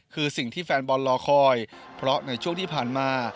คือสิ่งที่แฟนบอลรอคอยเพราะในช่วงที่ผ่านมา